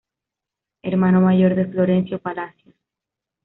Hermano mayor de Florencio Palacios.